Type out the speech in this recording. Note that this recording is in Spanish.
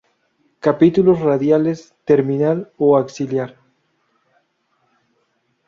Capítulos radiales, terminal o axilar.